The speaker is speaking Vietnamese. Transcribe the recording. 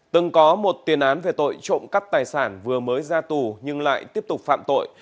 từng có một tiền án về tội trộm cắp tài sản vừa mới ra tù nhưng lại tiếp tục phạm tội